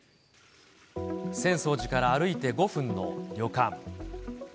浅草寺から歩いて５分の旅館。